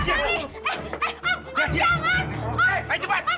eh eh om jangan